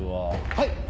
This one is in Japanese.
はい！